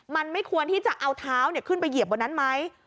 มันไม่ควรที่จะเอาเท้าขึ้นไปเหยียบบนนั้นไหม